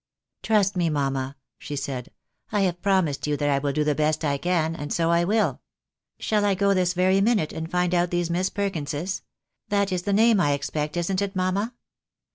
" Trust me, mamma," she said, " I have promised you that I will do the best I can ; and so I will. Shall I go this very minute and find out these Miss Perkinses ?— that is the name, I expect, isn't it, mamma